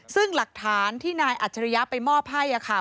ซึ่งหลักฐานที่นายอัจฉริยะไปมอบให้ค่ะ